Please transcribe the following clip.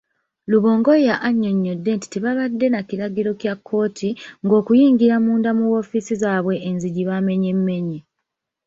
Rubongoya annyonnyodde nti tebabadde nakiragiro kya kkooti ng'okuyingira munda mu woofiisi zaabwe enzigi bamenyemmenye.